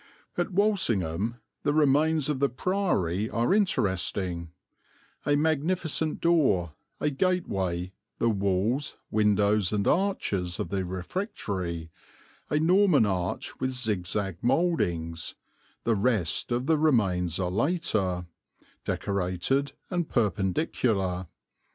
At Walsingham the remains of the Priory are interesting: a magnificent door, a gateway, the walls, windows and arches of the refectory, a Norman arch with zigzag mouldings the rest of the remains are later, Decorated and Perpendicular.